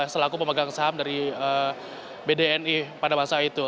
selaku pemegang saham dari bdni pada masa itu